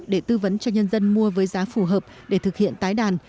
để tư vấn cho nhân dân mua với giá phù hợp để thực hiện tái đàn